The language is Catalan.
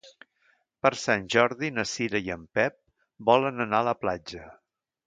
Per Sant Jordi na Cira i en Pep volen anar a la platja.